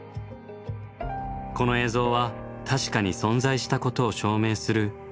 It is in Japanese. この映像は確かに存在したことを証明する貴重なもの。